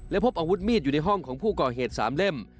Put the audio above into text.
และพบอาวุธมีดอยู่ในห้องของผู้ก่อเหตุ๓เล่ม